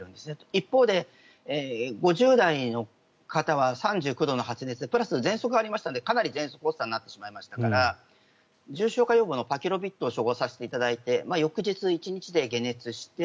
一方で５０代の方は３９度の発熱でプラスぜんそくがありましたのでかなりぜんそく発作になってしまいましたが重症化予防のパキロビッドを処方させていただいて翌日１日で解熱して